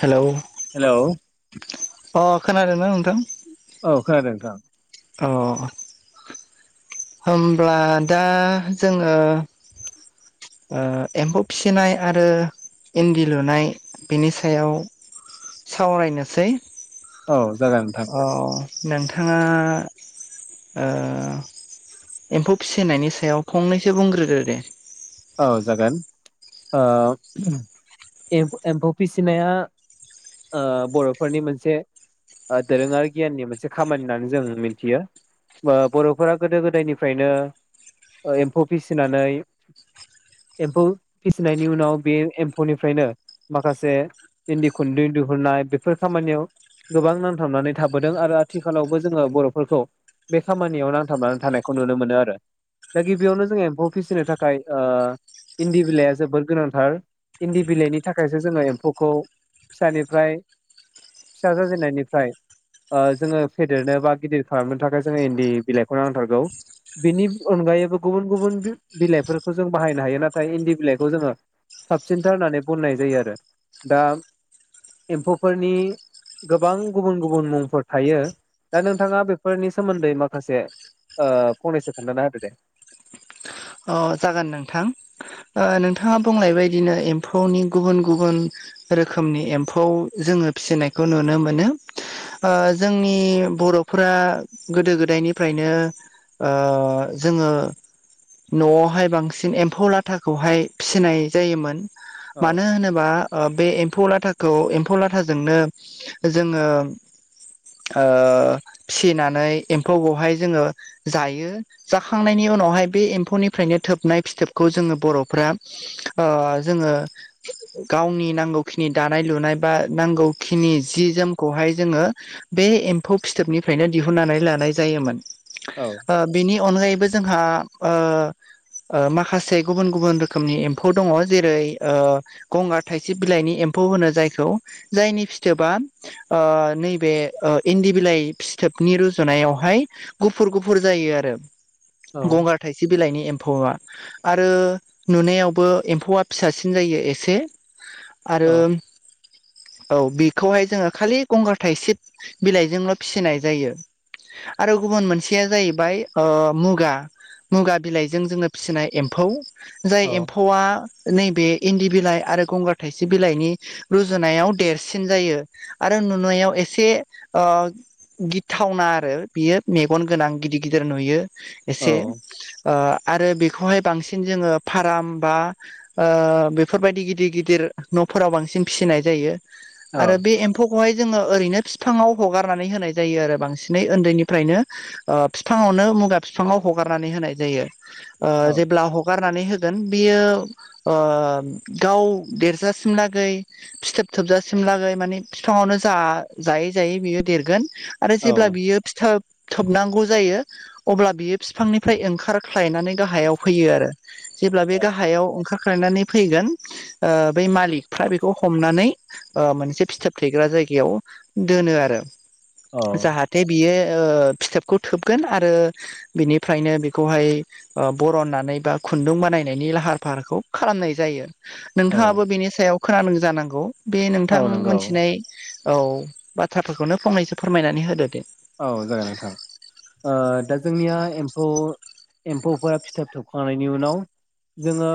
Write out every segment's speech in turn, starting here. Hello. Hello अ खोनादों ना नोंथां? औ खोनादों नोंथां। अ । होमब्ला दा जोंङो। एम्फौ फिसिनाय आरो इन्दि लुनाय बेनि सायाव। सावरायनोसै। औ जागोन नोंथां। अ नोंथाङा ओ एम्फौ फिसिनायनि सायाव फंनैसो बुंग्रोदो दे। औ जागोन ओ एम- एमफौ फिसिनाया ओ बर'फोरनि मोनसे दोरोङारि गियाननि मोनसे खामानि होननानै जोंङ मिथियो। बर'फोरा गोदो गोदायनिफ्रायनो एम्फौ फिसिनानै एम्फौ फिसिनायनि उनाव बे एम्फौनिफ्रायनो माखासे इन्दि खुन्दुं दिुहुनाय बेफोर खामानियाव‌ गोबां नांथाबनानै थाबोदों आरो आथिखालावबो जोङो बर'फोरखौ बे खामानियाव नांथाबनानै थानायखौ नुनो मोनो आरो दा गिबियावनो जोङो एम्फौ फिसिनो थाख खाय ओ इन्दि बिलाइया जोबोर गोनांथार इन्दि बिलाइनि थाखायसो जोङो एम्फौखौ फिसानिफ्राय फिसा जाजेननायनिफ्राय ओ जोङो फेदेरनो बा गिदिर खालामनो थाखाय जोङो इन्दि बिलाइखौ नांथारगौ बिनि अनगायैबो गुबुन गुबुन बिलाइफोरखौ जों बाहायनो हायो नाथाय इन्दि बिलाइखौ जोङो साबसिनथार होननानै बननाय जायो आरो दा एम्फौफोरनि गोबां गुबुन गुबुन मुंफोर थायो दा नोंथाङा बेफोरनि सोमोन्दै माखासे ओ फंनैसो खोनथाना होदो दे। अ जागोन नोंथां ओ नोंथाङा बुंनाय बदिनो एम्फौनि गुबुन गुबुन रोखोमनि एम्फौ जो जोङो फिसिनायखौ नुनो मोनो ओ जोंनि बर'फोरा गोदो गोदायनिफ्रायनो ओ जोङो न'आवहाय बांसिन एम्फौ लाथाखौहाय फिसिनाय जायोमोन औ मानो होनोबा बे एम्फौ लाथाखौ एम्फौ लाथाजोंनो जोङो ओ फिनानै एम्फौ खौहाय बेवहाय जोङो जायो जाखांनायनि उनावहाय बे एम म्फौनिफ्रायनो थोबनाय फिथोबखौ जोङो बर'फ्रा ओ जोङो गावनि नि नांगौ खिनि‌दानाय लुनाय बा नांगौ खिनि जि जोमखौहाय जोङो बे एम्फौ फिथोबनिफ्रायनो दिहुननानै लानाय जायोमोन। औ ओ बेनि अनगायैबो जोंहा ओ ओ माखासे गुबुन गुबुन रोखोमनि एम्फौ दङ' जेरै ओ गंगार थाइसे बिलाइनि ए एम्फौ होनो जायखौ जायनि फिथोबा नैब ओ इन्दि बिलाइ फिथो बनि रुजुनायावहाय गुफुर गुफुर जायो आरो। औ गंगार थाइसे बिलाइनि एम्फौआ आरो नुनायावबो एम्फौआ फिसासिन जायो एसे औ आरो औ बेखौहाय जोङो खालि गंगार थाइ सिब बिलाइजोंल' फिसिनाय जायो। आरो गुबुन मोनसेया जाहैबाय ओ मुगा मुगा बिलाइजों जोङो फिसिनाय एम्फौ जाय औ एम्फौआ नैबे इन्दि बिलाइ आरो गंगार थाइसिब बिलाइनि रुजुनायाव देरसिन जायो आरो नुनायाव ए एसे ओ गिथावना आरो बियो मेगन गोनां गिदिर गिदिर नुयो। औ एसे ओ आरो बेखौहाय बांसिन जोङो फाराम बा ओ बेफोरबायदि गिदिर गिदिर न'फोराव बांसिन फिसिनाय जायो औ आरो बे एम्फौ खौहाय जोङो ओरैनो फिफाङाव हागारनानै होनाय जायो बांसिनै ओनदैनिफ्रायनो ओ फिफांआव नो मुगा फिफाङाव हगारनानै होनाय जायो ओ औ जेब्ला हगारनानै गोन बियो ओ गाव देरजासिमलागै फिथोब थोबजासिम लागै माने बिफाङावनो जा जायै जायै बियो देरगोन आरो जेब्ला औ बियो फिथोब थोबनांगौ जायो अब्ला बियो फिफांनि फ्राय ओंखारख्लायनानै गाहायाव फैयो आरो। जेब्ला बे गाहायाव ओंखारख्लायनानै फैगोन ओ बै मालिखफ्रा बेखौ हमनानै ओ मोनसे फिथोफ थैग्रा जायगायाव दोनो आरो। औ जाहाथे बियो ओ फिथोफखौ थोबगोन आरो बिनि फ्रायनो बेखौहाय बरननानै बा खुन्दुं बानायनायनि लाहार फाहारखौ खालामनाय जायो। औ नोंथाङाबो बेनि सायाव खोनादों जानांगौ बे नोंथां औ नंगौ मोनथिनाय औ बाथ्राफोरखौनो फंनैसो फोरमायनानै होदो दे। औ जागोन नोंथां ओ दा जोंनिया एम्फौ एम्फौफोरा फिथोब थोबखांनायनि उनाव जोङो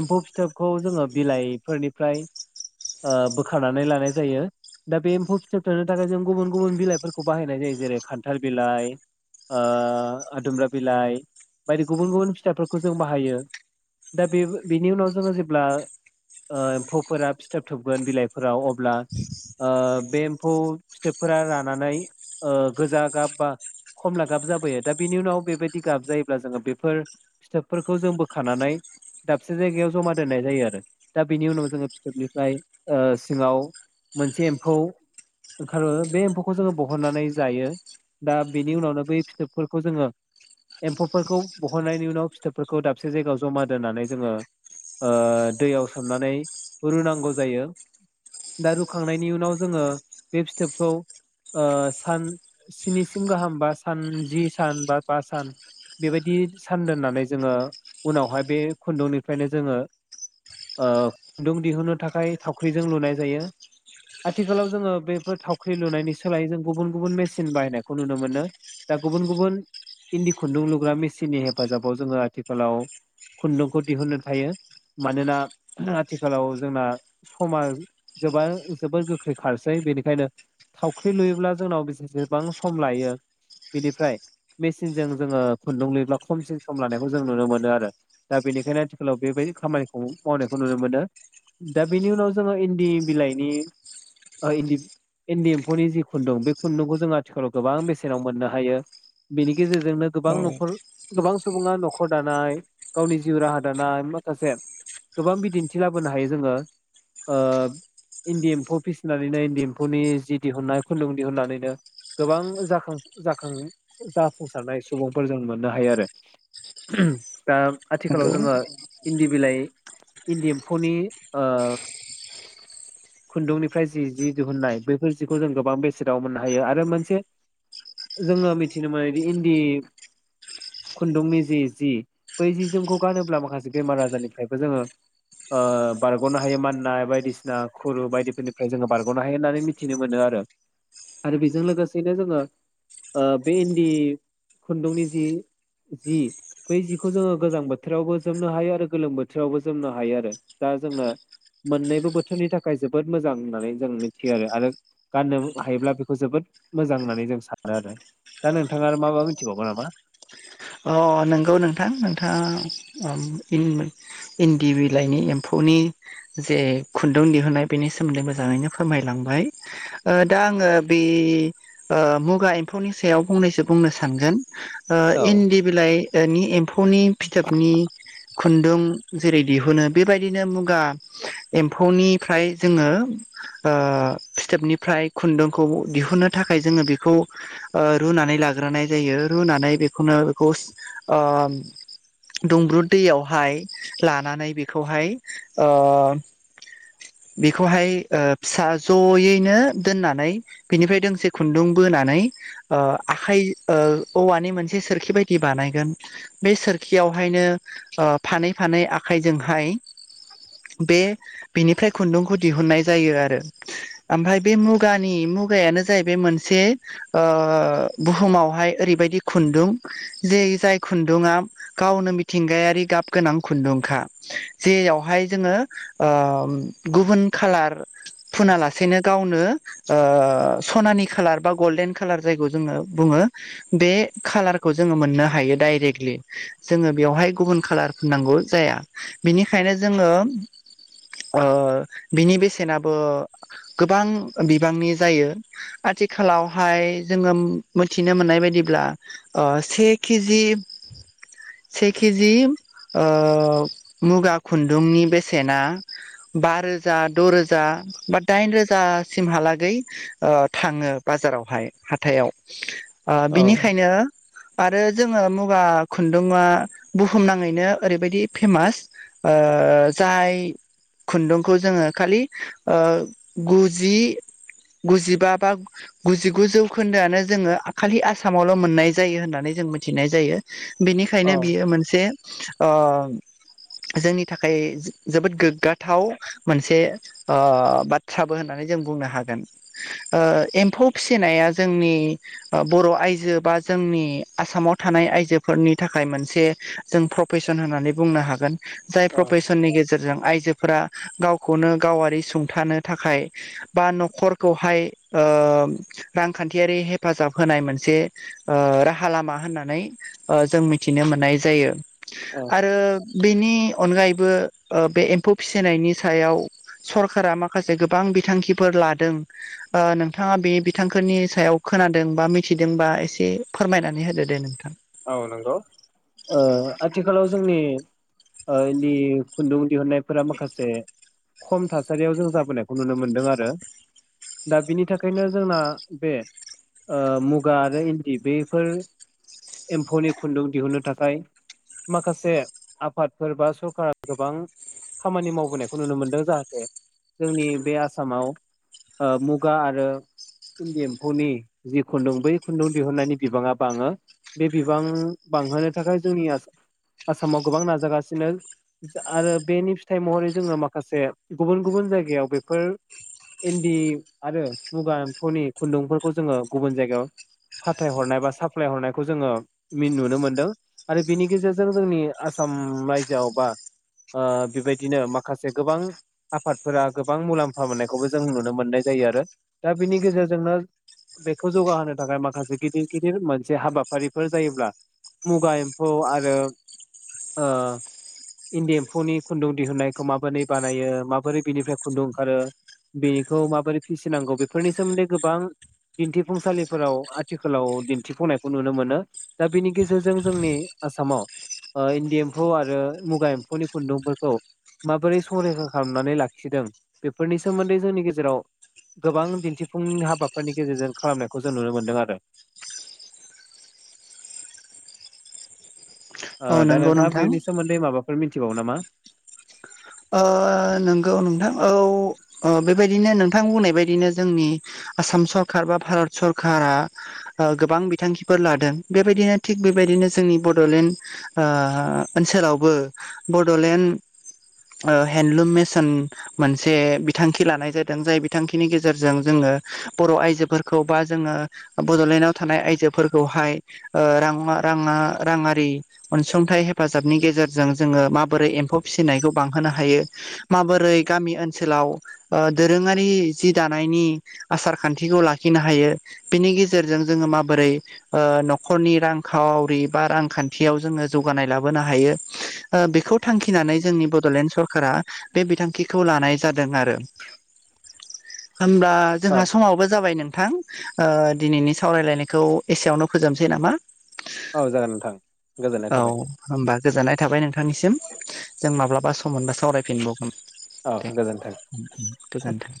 एम्फौ फिथोबखौ जोङो बिलाइफोरनिफ्राय ओ बोखारनानै लानाय जायो दा बे एम्फौ फिथोब थोबनो थाखाय जों गुबुन गुबुन बिलाइफोर खौ बाहायनाय जायो जेरै खान्थाल बिलाइ ओ आदुमब्रा बिलाइ बायदि गुबुन गुबुन फिथाफोरखौ जों बाहायो दा बेबो बेनि उनाव जोङो जेब्ला ओ एम्फौफोरा फिथोब थोबगोन बिलाइफोराव अब्ला ओ बे एम्फौ फिथोबफोरा रानानै ओ गोजा गाब बा खमला गाब जाबोयो दा बिनि उनाव बेबायदि गाब जायोब्ला जोङो बेफोर फिथोबफोरखौ जों बोखानानै दाबसे जायगायाव जमा दोननाय जायो आरो दा बिनि उनाव जोङो फिथोबनिफ्राय सिङाव मोनसे एम्फौ ओंखारो बे एम्फौखौ जोङो बह हननानै जायो दा बेनि उनावनो बै फिथोबफोरखौ जोङो एम्फौफोरखौ बहननायनि उनाव फिथोबफोरखौ दाबसे जायगायाव जमा दोननानै जोङो ओ दैयाव सोमनानै रुनांगौ जायो दा रुखांनायनि उनाव जोङो बे फिथोबखौ ओ सान स्निसिम गाहाम बा सान जि सान बा बा सान बेबायदि सान दोननानै जोङो उनावहाय बे खुन्दुंनिफ्रायनो जोङो ओ खुन्दुं दिहुनो थाखाय थावख्रिजों लुनाय जायो। आथिखालाव जोङो बेफोर थावख्रि लुनायनि सो सोलाय जों गुबुन गुबुन मेसिन बाहायनायखौ नुनो मोनो दा गुबुन गुबुन इन्दि खुन्दुं लुग्रा मेसिननि हेफाजाबाव जोङो आथिखालाव खुन्दुंखौ दिहुननो थायो। मानोना आथिखालाव जोंना समाज जोबा जोबोर गोख्रै खारसै बेनिखायनो थावख्रि लुयोब्ला जोंनाव बेसेबां सम लायो बेनिफ्राय मेचिनजों जोङो खुन्दुं लुयोब्ला खमसिन सम लानायखौ जों नुनो मोनो आरो दा बेनिखायनो आथिखालाव बेबाय दि खामानिखौ मावनायखौ नुनो मोनो दा बेनि उनाव जोङो इन्दि बिलाइनि ओ इन्दि इन्दि फौनि जि खुन्दुं बे खुन्दुंखौ जों आथिखालाव गोबां बेसेनाव मोननो हायो बिनि गेजेरजोंनो गोबां औ न'खर गोबां सुबुङा नखर दानाय गावनि जिउ राहा दानाय माखासे गोबां बिदिन्थि लाबोनो हायो जोङो ओ इन्दि एम्फौ फिसिनानैनो इन्दि एम्फौनि जि दिहुननाय खुन्दुं दिहुननानैनो गोबां जाखां जाखांफु जाफुंसारनाय सुबुंफोर जों मोननो हायो आरो। दा आथिखालाव नंगौ जोङो इन्दि बिलाइ इन्दि एम्फौनि ओ। खुन्दुंनिफ्राय जि जि दिहुननाय बै फोर जिखौ जों गोबां बेसेनाव मोननो हायो आरो मोनसे। जोङो मिथिनो मोनोदि इन्दि खुन्दुंनि जि जि बै जि जोमखौ गानोब्ला माखासे बेमार आजारनिफ्रायबो जोङो ओ बारगनो हायो माननाय बायदिसिना खुरु बायदिफोरनिफ्राय जोङो बारगनो हायो होननानै मिथ थिनो मोनो आरो आरो बेजों लोगोसेनो जोङो ओ बे इन्दि खुन्दुंनि जि जि बै जिखौ जोङो गोजां बोथोरावबो जोमनो हायो आरो गोलोम बोथोरावबो जोमनो हायो आरो । दा जोंनो मोननैबो बोथोरनि थाखाय जोबोद मोजां होननानै जों मिथियो आरो आरो गाननो हायोब्ला बेखौ जोबोद मोजां होननानै जों सानो आरो। दा नोंथाङा आरो मा माबा मिथिबावगौ नामा? अ अ नंगौ नोंथां । नोंथाङा अ इन इन्दि बिलाइनि एम्फौ नि जे खुन्दुं दिहुननाय बेनि सोमोन्दै मोजाङैनो फोरमायलांबाय ओ दा आङो ओ बे ओ मुगा एम्फौनि सायाव फंनैसो बुंनो सानगोन! ओ औ इन्दि बिलाइनि एम्फौनि फिथाबनि खुन्दुं जेरै दिहुनो बेबायदिनो मुगा एम्फौनिफ्राय जोङो ओ फिथोबनिफ्राय खुन्दुंखौ दिहुन्नो थाखाय जोङो बेखौ रुनानै ला- लाग्रोनाय जायो । रुनानै बेखौनो बेखौ ओ दुंब्रुद दैयावहाय लानानै बेखौहाय ओ - [inaudible] बेखौहाय फिसा जयैनो दोननानै बिनिफ्राय दोंसे खुन्दुं बोनानै ओ आखाइ ओ औवानि मोनसे सोरखि बायदि बानायगोन बे सोरखि खियावहायनो ओ फानै फानै आखाइजोंहाय बे बिनिफ्राय खुन्दुंखौ दिहुननाय जायो आरो। ओफ्राय बे मुगानि मुगायानो जाहैबाय मोनसे ओ बुहुमावहाय ओरैबायदि खुन्दुं जे जाय खुन्दुङा गावनो मिथिंगायारि गाब गोनां खुन्दुंखा। जेयावहाय जोङो ओ गुबुन खालार फुना लासेनो गावनो ओ सनानि खालार बा गल्डेन खालार जायखौ जोङो बुङो । बे खालारखौ जोङो मोननो हायो डायरेक्टलि। जोङो बेवहाय गुबुन कालार फोननांगौ जाया। बिनिखायनो जोङो ओ बिनि बेसेनाबो गोबां बिबांनि जायो । आरो आथिखालावहाय जोङो मिथिनो मोननाय बायदिब्ला ओ से केजि से केजि ओ मुगा खुन्दुंनि बेसेना बा रोजा द' रोजा बा दाइन रोजासिमहालागै ओ थाङो बा बाजारावहाय हाथायाव। औ हो आरो जोङो मुगा खुन्दुआ बुहुमनाङैनो ओरैबायदि फेमास ओ ओ जाय खुन्दुंखौ जोङो खालि गुजि गुजिबा बा गुजिगु जौखोन्दोआनो जोङो खालि आसाम आसामावल' मोननाय जायो होननानै जों मिथिनाय जायो। औ बिनिखायनो बियो मोनसे ओ [inaudible] जोंनि थाखाय जोबोद गोग्गाथाव मोनसे बाथ्राबो होननानै जों बुंनो हागोन। ओ एम्फौ फिसिनाया जोंनि ओ बर' आइजो- जो बा जोंनि आसामाव थानाय आइजोफोरनि थाखाय मोनसे जों प्र फेसन होनानै बुनो हागोन। जाय औ प्रफेसन‌नि गेजेरजों आइजो- फोरा गावखौनो गावारि सुंथानो थाखाय बा नखरखौहाय ओ ओ रांखान्थियारि हेफाजाब होनाय मोनसे ओ राहा लामा होननानै ओ जों मिथिनो मोननाय जायो। औ आरो बेनि अनगायैबो ओ बे एम्फौ फिसिनायनि सायाव सरकारा माखासे गोबां बिथांखिफोर लादों। ओ नोंथाङा बे बिथांखोनि सायाव खोनादों बा मिथिदोंबा एसे फोरमायनानै होदो दे? नोंथां। औ नोंगौ ओ आथिखालाव जोंनि ओ इन्दि खुन्दुं दिहुननायफोरा माखासे खम थासारियाव जों जाबोनायखौ नुनो मोनदों आरो दा बिनि थाखायनो जोंना बे ओ मुगा आरो इन्दि बेफोर एम्फौनि खुन्दुं दिहुन्नो थाखाय माखासे आफादफोर बा सरकारा गोबां खामानि मावबोनायखौ नुनो मोनदों जाहाथे जोंनि बे आसामाव ओ मुगा आरो इन्दि एम्फौनि जि खुन्दुं बै खुन्दुं दिहुननायनि बिबाङा बाङो बे बिबां बांहोनो थाखाय जोंनि आस-आसामाव गोबां नाजागासिनो आरो बेनि फिथाइ महरै जोंङो माखासे गुबुन गुबुन जायगायाव बेफोर इन्दि आरो मुगा एम्फौनि खुन्दुंफोरखौ जोंङो गुबुन जायगायाव फाथायहरनाय बा साप्लाय हरनाय खौ जोंङो नुनो मि मोनदों आरो बेनि गेजेरजों जोंनि आसाम रायजोआव बा ओ बेबायदिनो माखासे गोबां आफादफोरा गोबां मुलाम्फा मोननायखौबो जों नुनो मोननाय जा यो आरो दा बिनि गेजेरजोंनो बेखौ जौगाहोनो थाखाय माखासे गिदिर गिदिर मोनसे हाबा फारिफोर जायोब्ला मुगा एम्फौ आरो ओ इन्दि एम्फौनि खुन्दुं दिहुनायखौ माबोनै बानायो माबोरै बिनिफ्राय खुन्दुं ओंखारो बेनिखौ माबोरै फिसिनांगौ बेफोरनि सोमोन्दै गोबां दिन्थिफुंसालिफोराव आथिखालाव दिन्थिफुंनाय खौ नुनो मोनो दा बेनि गेजेरजों जोंनि आसामाव ओ इन्दि एम्फौ आरो मुगा एम्फौनि खुन्दुंफोरखौ माबोरै संरैखा खालामनानै लाखिदों बेफोरनि सोमोन्दै जोंनि गेजेराव गोबां दिन्थिफुं हाबाफोरनि गेजेरजों खालामनायखौ जों नुनो मोनदों आरो ओ औ दा नंगौ नोंथांङा नोंथां बेनि सोमोन्दै माबाफोर मिथिबावो नामा? ओ नोंगौ नोंथां औ ओ बेबायदिनो नोंथां बुंनाय बायदिनो जोंनि आसाम सरखार बा भारत सरखारा ओ गोबां बिथांखिफोर लादों बेबायदिनो थिग बेबा दिनो जोंनि बड'लेण्ड ओ ओनसोलावबो बड'लेण्ड [inaudible] ओ हेन्दलुम मेसन मोनसे बिथांखि लानाय जादों जाय बिथांखिनि गेजेरजों जोंङो बर' आइजोफोरखौ बा जोंङो बड'लेण्डआव थानाय आइजोफोरखौहाय ओ रां आर रांङा रांङारि अनसुंथाइ हेफाजाबनि गेजेरजों जोंङो माबोरै एम्फौ फिसिनायखौ बांहोनो हायो माबोरै गामि ओनसोलाव ओ दोंरोङारि जि दानायनि आसार खान्थिखौ लाखिनो हायो बिनि गेजेरजों जोंङो माबोरै ओ न'खरनि रां खा वरि बा रांखान्थियाव जोंङो जौगानाय लाबोनो हायो ओ बेखौ थांखिनानै जोंनि ब [unintelligible] सरखारा बे बिथांखिखौ लानाय जादों आरो होमब्ला औ जोंहा समाबो जाबाय नोंथां ओ दिनैनि सावरायलायनायखौ एसेयावनो फोजोबसै नामा? औ जागोन नोंथां गोजोननाय औ थाबाय होमबा गोजोननाय थाबाय नोंथांनिसिम जों माब्ला बा सम मोनबा सावरायफिनबावगोन औ दे गोजोन्थों। गोजोन्थों।